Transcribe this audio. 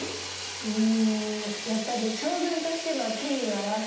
うんやっぱり将軍としての権威を表したかったからかな。